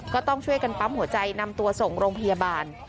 ก็ต้องช่วยกันปั๊มหัวใจนำตัวส่งโรงพยาบาล